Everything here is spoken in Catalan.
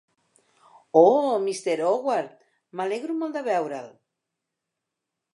Oh Mr. Howard, m'alegro molt de veure'l!